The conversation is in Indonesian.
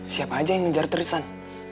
siapa aja yang ngejar turisan